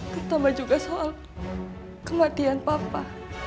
terutama juga soal kematian papa